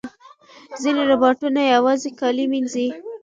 ځینې روباټونه یوازې کالي مینځي.